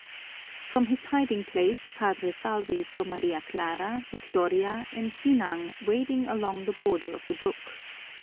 _" From his hiding place Padre Salvi saw Maria Clara, Victoria, and Sinang wading along the border of the brook.